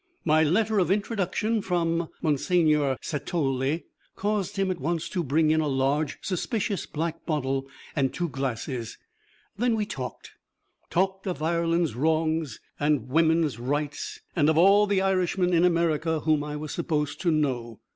My letter of introduction from Monseigneur Satolli caused him at once to bring in a large, suspicious, black bottle and two glasses. Then we talked talked of Ireland's wrongs and woman's rights, and of all the Irishmen in America whom I was supposed to know.